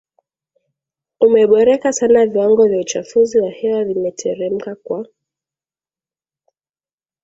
umeboreka sana Viwango vya uchafuzi wa hewa vimeteremka kwa